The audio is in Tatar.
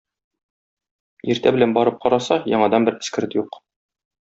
Иртә белән барып караса, яңадан бер эскерт юк.